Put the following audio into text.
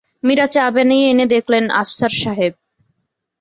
মীরা চা বানিয়ে এনে দেখলেন, আফসার সাহেব।